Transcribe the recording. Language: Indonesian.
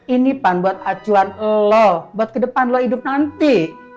ini pan buat acuan lo buat ke depan lo hidup nanti